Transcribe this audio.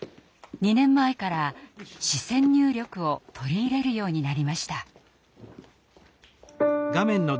２年前から視線入力を取り入れるようになりました。